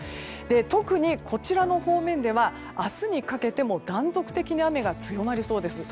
特にこちら方面は明日にかけても断続的に雨が強まりそうです。